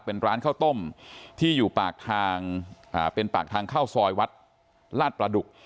เป็นร้านข้าวต้มที่อยู่ปากทางเป็นปากทางเข้าซอยวัดลาดประดุก